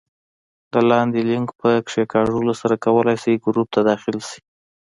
د لاندې لینک په کېکاږلو سره کولای شئ ګروپ ته داخل شئ